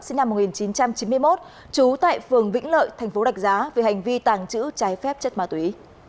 sinh năm một nghìn chín trăm chín mươi một trú tại phường vĩnh lợi thành phố rạch giá về hành vi tàng trữ trái phép chất ma túy